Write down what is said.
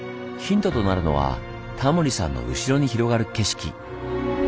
ヒントとなるのはタモリさんの後ろに広がる景色。